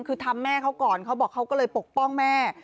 คือทำแม่เขาก่อนเขาบอกเขาก็เลยปกป้องแม่